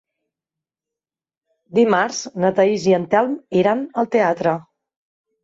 Dimarts na Thaís i en Telm iran al teatre.